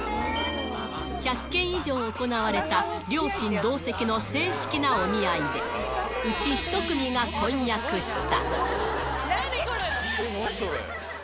１００件以上行われた、両親同席の正式なお見合いで、うち１組が婚約した。